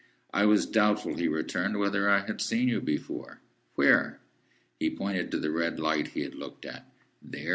"I was doubtful," he returned, "whether I had seen you before." "Where?" He pointed to the red light he had looked at. "There?"